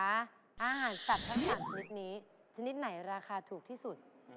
อาหารสัตว์ทั้ง๓ชนิดนี้ชนิดไหนราคาถูกที่สุด